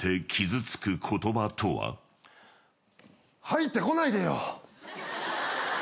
入ってこないでよ！